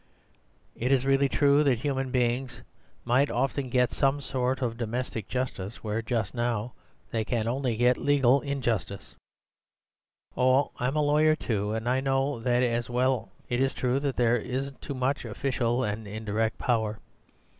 It is really true that human beings might often get some sort of domestic justice where just now they can only get legal injustice—oh, I am a lawyer too, and I know that as well. It is true that there's too much official and indirect power.